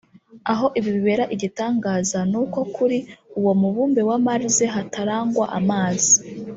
Aho ibi bibera igitangaza ni uko kuri uwo mubumbe wa Mars hatarangwa amazi